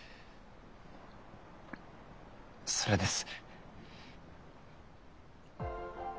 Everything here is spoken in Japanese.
それです。